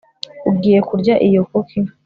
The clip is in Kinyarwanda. Ugiye kurya iyo kuki